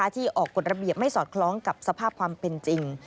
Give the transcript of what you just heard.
ที่ออกกฎระเบียบไม่สอดคล้องกับสภาพความเป็นจริง